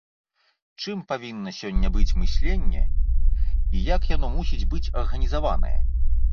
Чым павінна сёння быць мысленне і як яно мусіць быць арганізаванае?